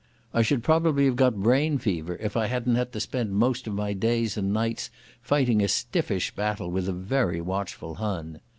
I should probably have got brain fever, if I hadn't had to spend most of my days and nights fighting a stiffish battle with a very watchful Hun.